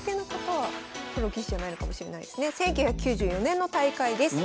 １９９４年の大会です。